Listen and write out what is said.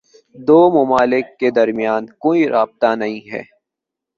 دو ممالک کے درمیان کوئی رابطہ نہیں ہے۔